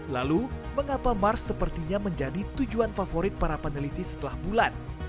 lalu mengapa mars sepertinya menjadi tujuan favorit para peneliti setelah bulan